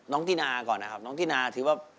น้องตีนาก่อนนะครับน้องตีนาถือว่า